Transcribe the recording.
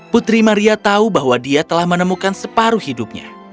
putri maria tahu bahwa dia telah menemukan separuh hidupnya